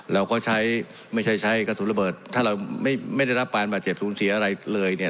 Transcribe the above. เราก็ใช้ไม่ใช่ใช้กระสุนระเบิดถ้าเราไม่ได้รับการบาดเจ็บสูญเสียอะไรเลยเนี่ย